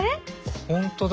本当だ